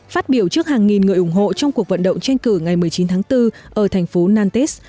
phát biểu trước hàng nghìn người ủng hộ trong cuộc vận động tranh cử ngày một mươi chín tháng bốn ở thành phố nantes